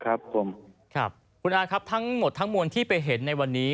ครับผมครับคุณอาครับทั้งหมดทั้งมวลที่ไปเห็นในวันนี้